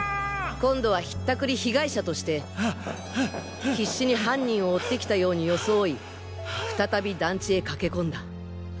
今度は引ったくり被害者として必死に犯人を追ってきたように装い再び団地へ駆け込んだ。